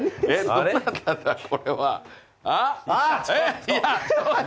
どなただこれは？あっ！